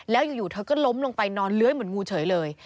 แล้วอยู่เธอก็ล้มลงไปนอนเลื้อยเหมือนงูเฉยเลย